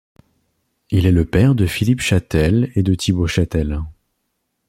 Il est le père de Philippe Chatel et de Thibaut Chatel.